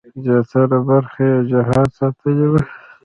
زیاتره برخه یې جهاد ساتلې وه.